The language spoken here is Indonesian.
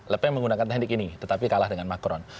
lepeng menggunakan teknik ini tetapi kalah dengan macron